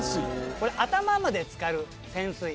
これ頭まで浸かる潜水。